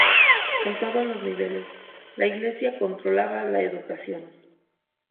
En todos los niveles, la iglesia controlaba la educación.